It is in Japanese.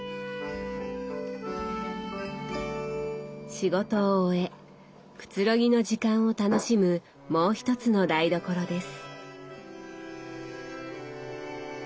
仕事を終えくつろぎの時間を楽しむもう一つの台所です。